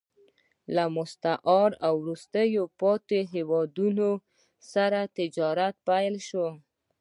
له مستعمره او وروسته پاتې هېوادونو سره تجارت پیل شو